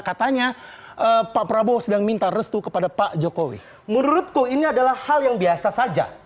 katanya pak prabowo sedang minta restu kepada pak jokowi menurutku ini adalah hal yang biasa saja